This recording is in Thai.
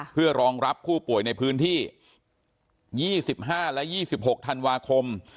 เพื่อรองรับผู้ป่วยในพื้นที่ยี่สิบห้าและยี่สิบหกธันวาคม